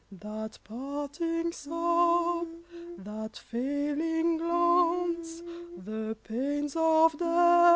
That parting sob, that failing glance The pains of death are past!